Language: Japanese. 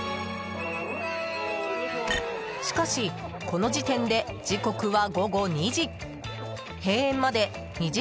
しかし、この時点で時刻は午後２時。